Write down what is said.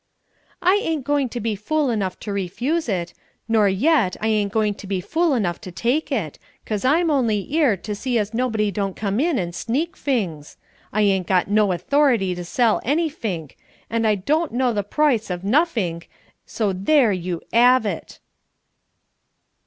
"I ain't goin' to be fool enough to refuse it nor yet I ain't goin' to be fool enough to take it, 'cause I'm only 'ere to see as nobody don't come in and sneak fings. I ain't got no authority to sell anyfink, and I don't know the proice o' nuffink, so there you 'ave it."